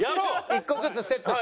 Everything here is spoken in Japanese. １個ずつセットして。